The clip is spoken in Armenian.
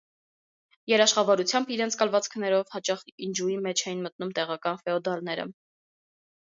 Երաշխավորությամբ իրենց կալվածքներով հաճախ ինջուի մեջ էին մտնում տեղական ֆեոդալները։